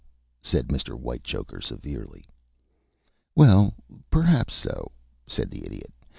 said Mr. Whitechoker, severely. "Well, perhaps so," said the Idiot.